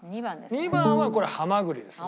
２番はこれハマグリですね。